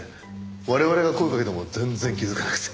我々が声かけても全然気づかなくて。